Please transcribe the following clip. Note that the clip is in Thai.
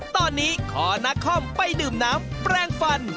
ตอนนี้ขอนักคอมไปดื่มน้ำแปลงฟัน